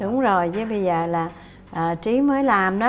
uống rồi chứ bây giờ là trí mới làm đó